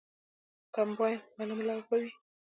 کمباین غنم لو کوي.